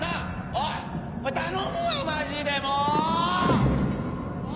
おい頼むわマジでもう！